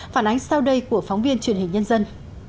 phản ánh sau đây của phóng viên truyền hình nhân dân